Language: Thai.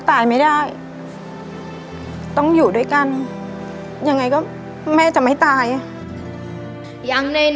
ตายไม่ได้ต้องอยู่ด้วยกันยังไงก็แม่จะไม่ตายยัง